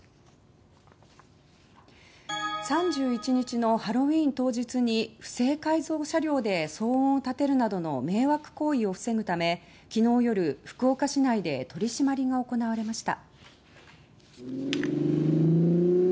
３１日のハロウィン当日に不正改造車両で騒音を立てるなどの迷惑行為を防ぐため市内で取り締まりが行われました。